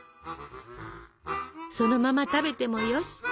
そのまま食べてもよし。